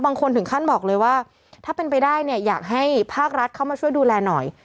บางคนถึงขั้นบอกเลยว่าถ้าเป็นไปได้เนี่ยอยากให้ภาครัฐเข้ามาช่วยดูแลหน่อย